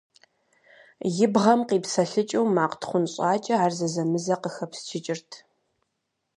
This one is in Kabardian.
И бгъэм къипсэлъыкӀыу макъ тхъунщӀакӀэ ар зэзэмызэ къыхэпсчыкӀырт.